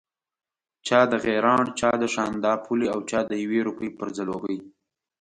چا د غیراڼ، چا د شانداپولي او چا د یوې روپۍ پر ځلوبۍ.